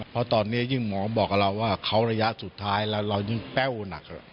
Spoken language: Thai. เพราะตอนนี้ยิ่งหมอบอกกับเราว่าเขาระยะสุดท้ายแล้วเรายิ่งแป้วหนัก